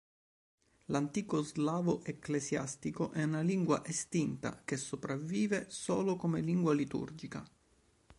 L'antico slavo ecclesiastico è una lingua estinta che sopravvive solo come lingua liturgica.